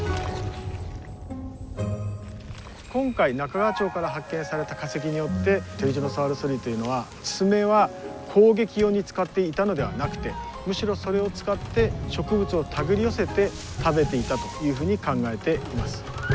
今回中川町から発見された化石によってテリジノサウルス類というのは爪は攻撃用に使っていたのではなくてむしろそれを使って植物を手繰り寄せて食べていたというふうに考えています。